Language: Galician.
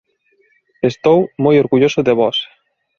Estou moi orgulloso de vós.